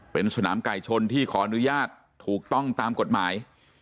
เป็นสนามไก่ชนที่ขออนุญาตถูกต้องตามกฎหมาย